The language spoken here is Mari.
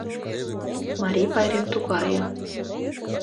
Марий пайрем тугае: